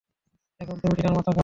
এখন তুমি টিনার মাথা খাও।